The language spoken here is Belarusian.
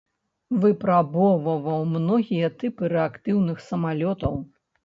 Выпрабоўваў многія тыпы рэактыўных самалётаў.